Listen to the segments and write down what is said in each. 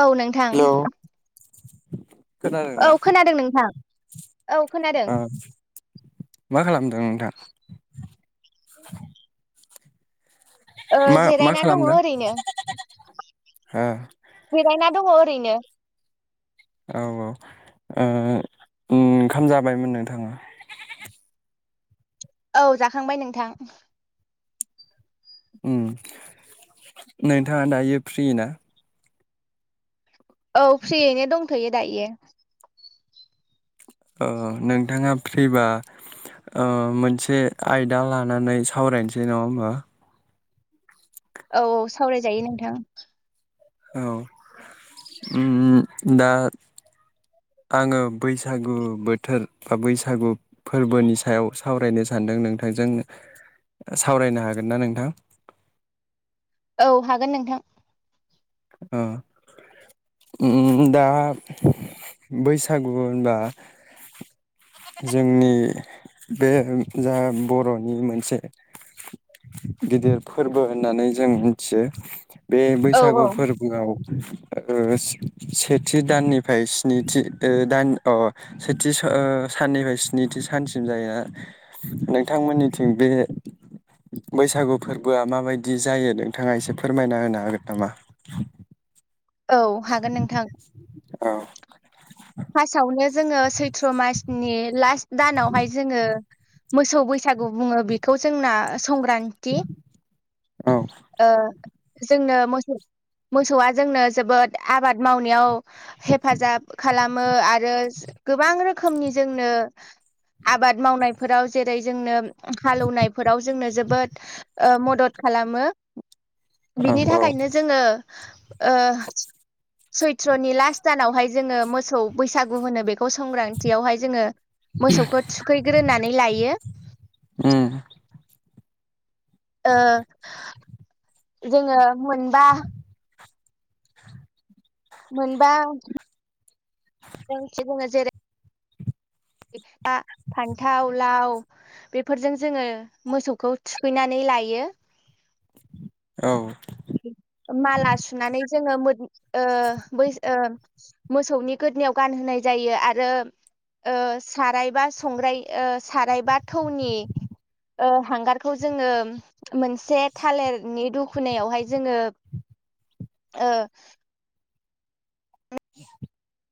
औ नोंथां। हेलौ [inaudible] औ खोनादों नोंथां औ खोनादों। ओ मा खालामदों नोंथां ओ मा मा जिरायना दङ खालामदों ओरैनो ओ जिरायना दङ। ओरैनो। औ औ ओ ओंखाम जाबायमोन नोंथाङा? औ जाखांबाय नोंथां। उम नोंथाङा दायो फ्रि ना? औ फ्रियैनो दंथ'यो दायो। ओ नोंथाङा फ्रिबा ओ मोनसे आयदा लानानै सावरायनोसै नङा होमबा। औ औ सावरायजायो नोंथां। औ उम दा आङो बैसागु बोथोर बा बैसागु फोरबोनि सायाव सावरायनो सानदों नोंथांजों सावरायनो हागोन ना नोंथां। औ हागोन नोंथां। ओ उम दा बैसागु होनबा जोंनि बे जा बर'नि मोनसे गिदिर फोरबो होननानै जों मिनथियो बे औ बैसागु औ फोरबोआव ओ सेथि दाननिफ्राय स्निथि ओ दान अ सेथि स ओ साननिफ्राय स्निथि सानसिम जायोना नोंथांमोननिथिं बे बैसागु फोरबोआ माबायदि जायो नोंथाङा एसे फोरमायना होनो हागोन नामा? औ हागोन नोंथां। ओह। फासावनो। जोङो सैथ्र मासनि लास्ट दानावहाय जोङो मोसौ बैसागु बुङो बेखौ जोंना संग्रान्थि ओ जोंनो मोसौ मोसौआ जोंनो जोबोद आबाद मावनायाव हेफाजाब खालाम खालामो आरो गोबां रोखोमनि जोंनो आबाद मावनायफोराव जेरै जोंनो हालेवनायफोराव जोंनो जोबोद ओ मदद खालामो बिनि थाखायनो जोङो ओ सैथ्रनि लास्ट दानावहाय जोङो मोसौ बैसागु होनो बेखौ संग्रानथियावहाय जोङो मोसौखौ थुखैग्रोनानै लायो ओ जोङो मोनबा मोनबा जों जेरै। ए आ फान्थाव लाव बेफोरजों जोङो मोसौखौ थुखैनानै लायो। औ। माला सुनानै जोङो मोथ ओ बैसो ओ। मोसौनि गोदनायाव गानहोनाय जायो आरो ओ सारायबा संग्राय ओ सारायबा थौनि ओ हांगारखौ जोङो मोनसे थालिरनि दुखुनायावहाय। जोङो ओ। [inaudible]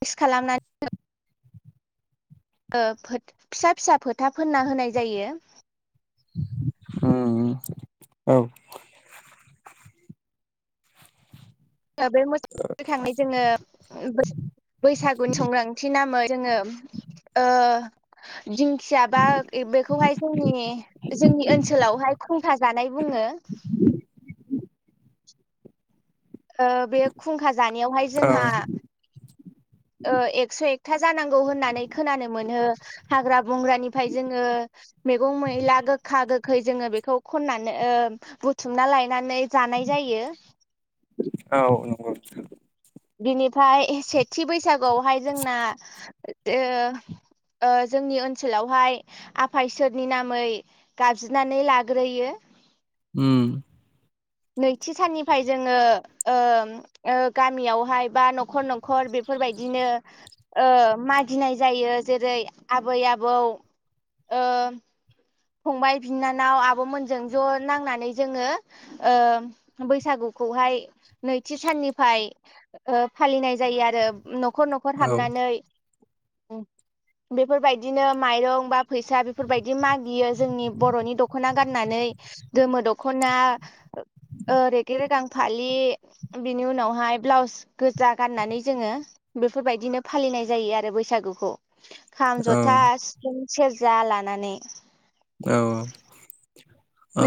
[unintelligible] खालामनानै। ओ फोथ फिसा फिसा फोथा फोनना होनाय जायो। [unintelligible] उम औ [unintelligible] बे मोस खांनाय जोङो बै- बैसागुनि संख्रांथि नामै। जोङो ओ। दिंखिया बा ए बेखौहाय जोंनि जोंनि ओनसोलावहाय खुंखा। जानाय बुङो। [inaudible] ओ‌ बे खुंखा। जानायावहाय जोंहा। औ ओ एक्स एकथा जानांगौ होननानै खोनानो मोनो हाग्रा बंग्रानिफ्राय जोङो मैगं मैला गोखा गोखै जोङो बेखौ खननानै ओ बुथुमना लायनानै जानाय जायो। औ नंगौ। बिनिफाय एस सेथि बैसागुआवहाय जोंना ओ ओ जोंनि ओनसोलावहाय आफा इसोरनि नामै गाबज्रिनानै लाग्रोयो। उम। नैथि साननिफ्राय जोङो ओम ओ गामियावहाय बा नखर नखर बेफोरबायदिनो ओ मागिनाय जायो जेरै आबै आबौ ओ। फंबाय बिनानाव आबमोनजों ज नांनानै जोङो ओ बैसागुखौहाय नैथि साननिफाय ओ फालिनाय जायो आरो उम। खर नखर औ हाबनानै। उम बेफोरबायदिनो माइरं बा फैसा बेफोरबायदि माग बियो जोंनि बरनि दखना गाननानै गोमो दखना ओ रेगे रेगां फालि बिनि उनावहाय ब्लाउस गोजा गाननानै जोङो बेफोरबायदिनो फालिनाय जायो आरो बैसागुखौ। खाम जथा औ सिफुं सेरजा लानानै। औ।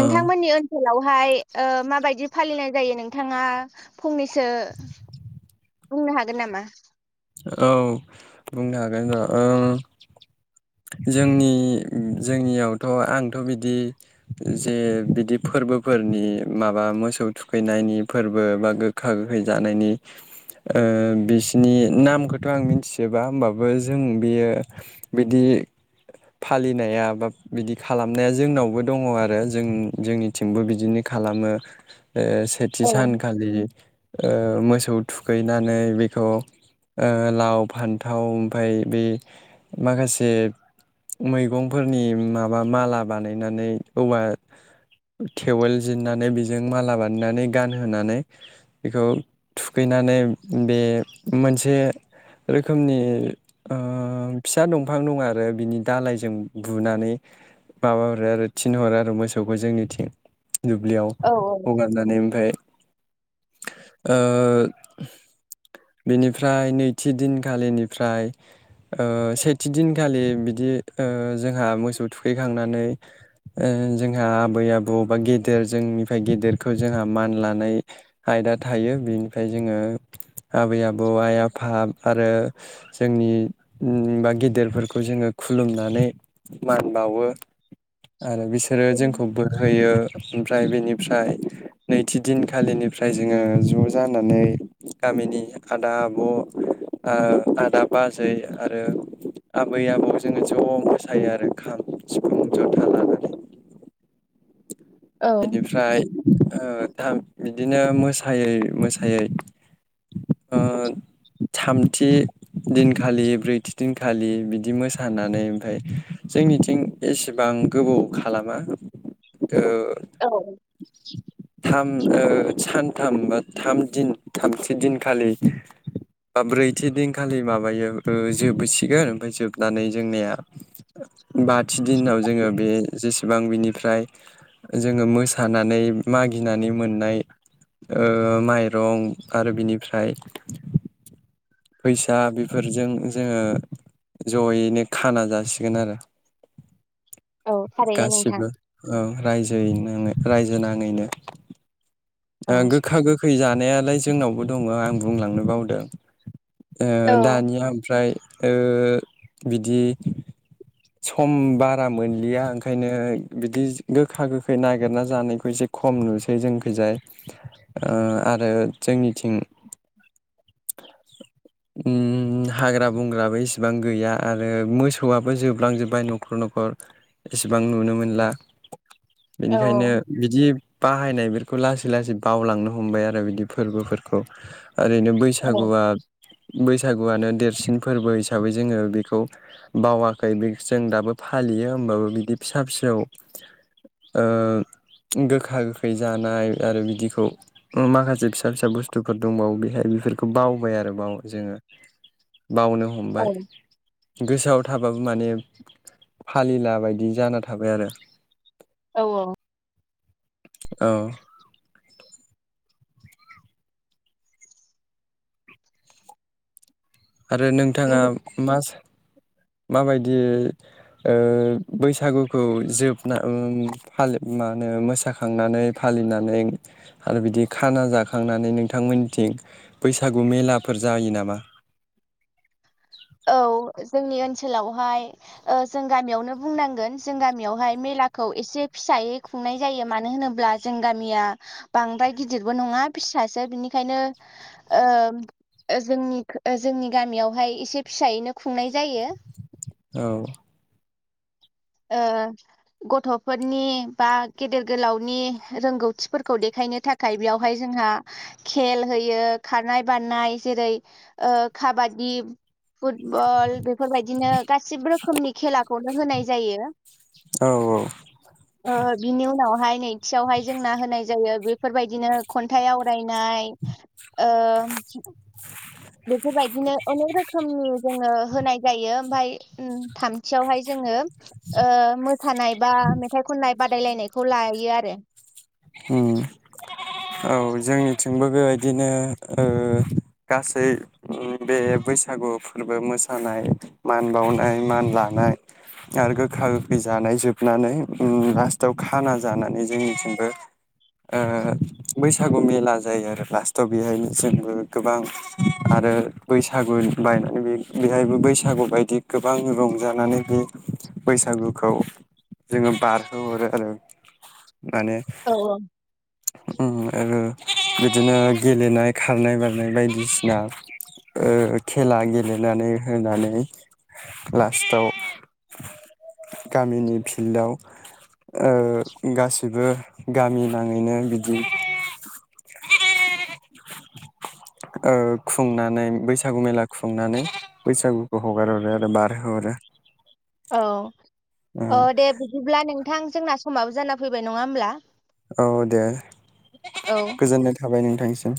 औ ओनसोलाव। फाय ओ माबायदि फालिनाय जायो नोंथाङा फंनैसो। बुंंनो हागोन नामा? औ बुंनो हागोन र उम जोंनि जोंनियावथ' आंथ' बिदि जे बिदि फोरबोफोरनि माबा मोसौ थुखैनायनि फोरबो बा गोखा गोखै जानायनि ओ बिसिनि नामखौथ' आं मिथिजोबा होमबाबो जों बियो बिदि फालिनाया बा बिदि खालामनाया जोंनावबो दङ आरो जों-जोंनिथिंबो बिदिनो खालामो। ओ सेथि औ सानखालि ओ मोसौ थुखैनानै बेखौ ओ लाव फान्थाव ओमफाय बे माखासे मैगंफोरनि माबा माला बानायनानै औवा थेवल जिननानै बेजों माला बानायनानै गानहोनानै बेखौ थुखैनानै बे मोनसे जे रोखोमनि ओ फिसा दंफां दं आरो बिनि दालायजों बुनानै माबाहरो आरो थिनहरो आरो मोसौखौ जोंनिथिं दुब्लियाव औ हगारनानै ओमफाय ओ बेनि फ्राय नैथि दिनखालिनिफ्राय ओ सेथि दिनखालि बिदि ओ जोंहा मोसौ थुखैखांनानै ओ जोंहा आबै आबौ बा गेदेर जोंनिफ्राय गेदेरखौ जोंहा मान लानाय आयदा थायो बिनिफ्राय जोङो आबै आब बौ आइ आफा आरो जोंनि ओम बा गिदिरफोरखौ जोङो खुलुमनानै मान बावो आरो बिसोरो जोंखौ औ बोर होयो। ओमफ्राय बेनिफ्राय नैथि दिनखालिनिफ्राय जोङो ज' जानानै गामिनि आदा आब' ओ आदा बाजै आरो आबै आबौ जोङो ज' मोसायो आरो खाम सिफुं जथा लानानै। औ बेनिफ्राय ओ बिदिनो मोसायै मोसायै ओ थामथि दिनखालि ब्रैथि दिनखालि बिदि मोसानानै ओमफ्राय जोंनिथिं एसेबां गोबाव खालामा ओ औ। थाम ओ सानथाम थाम दिन थामथि दिनखालि ब्रैथि दिनखालि माबायो जोबसिगोन ओमफ्राय जोबनानै जोंनिया बाथि दिनाव जोङो बे जेसेबां बिनिफ्राय जोङो मोसानानै मागिनानै मोननाय ओ माइरं आरो बिनिफ्राय फैसा बेफोरजों जोङो जयैनो खाना जासिगोन आरो औ थारैनो नोंथां गासिबो ओं जोयैनो नांनाय रायजो नाङैनो औ ओ गोखा गोखै जानाया लाय जोंनावबो दङ आं बुंलांनो बावदों ओ दानिया ओमफ्राय ओ बिदि सम बारा मोनलिया ओंखायनो बिदि गोखा गोखै नागिरना जानायखौ एसे खम नुसै जोंखैजाय ओ आरो जोंनिथिं ओम हाग्रा बंग्राबो इसेबां गैया आरो मोसौयाबो जोबलांजोब्बाय नखर नखर एसेबां नुनो मोनला। बेनिखायनो औ बिदि बाहायनायबेरखौ लासै लासै बावलांनो हमबाय आरो बिदि फोरबोफोरखौ। ओरैनो बैसागुया बैसागुयानो देरसिन फोरबो हिसाबै जोङो बेखौ बावाखै बेखौ जों दाबो फालियो होमबाबो बिदि फिसा फिसौ ओ गोखा गोखै जानाय आरो बिदिखौ माखासे फिसा फिसा बुस्थुफोर दंबावो बेहाय बेफोरखौ बावबाय आरो बाव जोङो बावनो औ हमबाय। गोसोयाव थाबाबो माने फालिला बायदि जाना थाबाय आरो औ औ। औ। आरो नोंथाङा मा सा माबायदि ओ बैसागुखौ जोबना ओम फालि ओ मा होनो मोसाखांनानै फालिनानै आरो बिदि खाना जाखांनानै नोंथांमोननिथिं बैसागु मेलाफोर जायो नामा? औ जोंनि ओनसोलावहाय ओ जों गामियावनो बुंनांगोन जों गामियावहाय मेलाखौ एसे फिसायै खुंनाय जायो मानो होनोब्ला जों गामिया बांद्राय गिदिरबो नङा फिसासो बिनिखायनो ओ जोंनिख जोंनि गामियावहाय एसे। फिसायैनो खुंनाय जायो। औ ओ गथफोरनि बा गेदेर गोलावनि रोंगौथिफोरखौ देखायनो थाखाय बेयावहाय जोंहा खेल होयो खारनाय बारनाय जेरै ओ खाबादि। फुटबल बेफोरबायदिनो गासिबो रोखोमनि खेला [unintelligible] जायो औ ओ बिनि उनावहाय नैथियावहाय जोंना होनाय जायो बेफोरबायदिनो खन्थाइ आवरायनाय ओ बेफोरबायदिनो अनेक रोखोमनि जोङो होनाय जायो ओमफाय थामथियावहाय जोङो ओ मोसानाय बा मेथाइ खननाय बादायलायनायखौ लायो आरो औ जोंनिथिंबो बेबायदिनो ओ गासै बे बैसागु फोरबो मोसानाय मान बावनाय मान लानाय आरो गोखा गोखै जानाय जोबनानै लास्टआव खाना जानानै जोंनिथिंबो ओ बैसागु मेला जायो आरो लास्टआव बेहायनो जोंबो गोबां आरो बैसागु बायनानै बेहायबो बैसागु बायदि गोबां रंजानानै बे बैसागुखौ जोङो बारहोहरो आरो माने औ आरो बिदिनो गेलेनाय खारनाय बारनाय बायदिसिना ओ खेला गेलेनानै होनानै लास्टाव गामिनि फिल्डआव ओ गासिबो गामि नाङैनो बिदि ओ खुंनानै बैसागु मेला खुंनानै बैसागुखौ हगारहरो आरो बारहोहरो औ अ दे बिदिब्ला नोंथां जोंना समाबो जाना फैबाय नङा होमब्ला औ दे औ गोजोननाय थाबाय नों थांनिसिम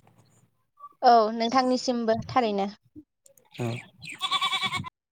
औ नोंथांनिसिमबो थारैनो औ [unintelligible]